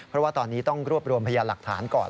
เพราะว่าตอนนี้ต้องรวบรวมพยานหลักฐานก่อน